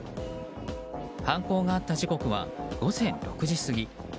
犯行があった時刻は午前６時過ぎ。